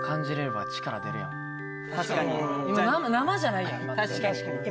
生じゃないやん今。